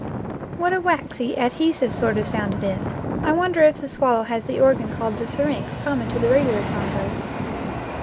What a waxy, adhesive sort of a sound it is ! I wonder if the swallow has the organ called the syrinx common to the regular song birds.